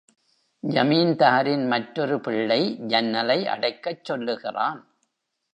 ஜமீன்தாரின் மற்றொரு பிள்ளை ஜன்னலை அடைக்கச் சொல்லுகிறான்.